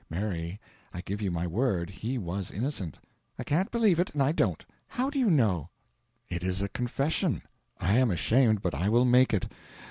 "Mary, I give you my word he was innocent." "I can't believe it and I don't. How do you know?" "It is a confession. I am ashamed, but I will make it.